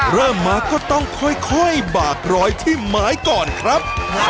เริ่มมาก็ต้องค่อยบากรอยที่หมายก่อนครับ